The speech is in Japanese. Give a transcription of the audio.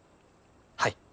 はい。